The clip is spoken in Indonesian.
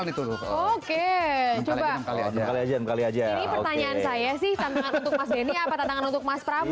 ini pertanyaan saya sih tantangan untuk mas denny apa tantangan untuk mas prabu